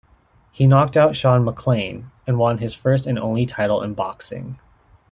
He knocked out Sean McClain, and won his first and only title in boxing.